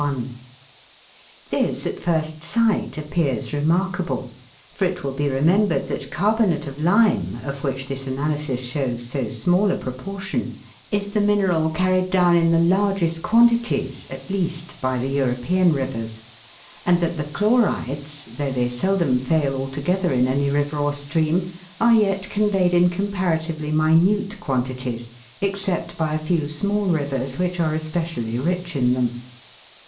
125 This at first sight appears remarkable, for it will be remembered that carbonate of lime, of which this analysis shows so small a proportion, is the mineral carried down in the largest quantities, at least, by the European rivers*; and that the chlorides, though they seldom fail altogether in any river or stream, are yet conveyed in comparatively minute quantities, except by a few small rivers which are especially rich in them.